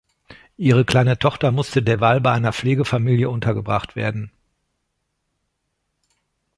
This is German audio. Ihre kleine Tochter musste derweil bei einer Pflegefamilie untergebracht werden.